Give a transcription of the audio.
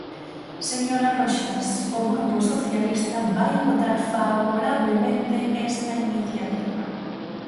Señora Roxas, o Grupo Socialista vai votar favorablemente esta iniciativa.